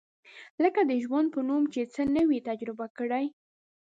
لکه د ژوند په نوم یې څه نه وي تجربه کړي.